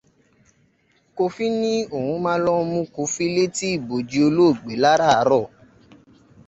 Bọ́lá ní òun ma lọ ń mu kọfí létí ibojì olóògbé láàràárọ̀.